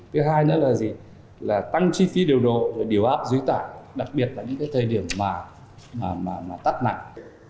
thứ hai nữa là tăng chi phí điều độ điều áp dưới tải đặc biệt là những thời điểm tắt nặng